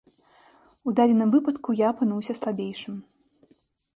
У дадзеным выпадку я апынуўся слабейшым.